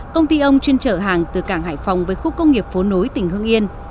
công ty ông chuyên chở hàng từ cảng hải phòng với khu công nghiệp phố nối tỉnh hương yên